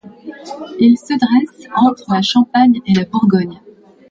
Il se dresse entre la Champagne et la Bourgogne.